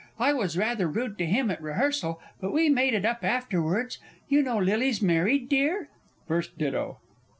I was rather rude to him at rehearsal, but we made it up afterwards. You know Lily's married, dear? FIRST DITTO.